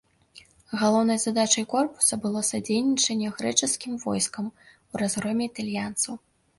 Галоўнай задачай корпуса было садзейнічанне грэчаскім войскам у разгроме італьянцаў.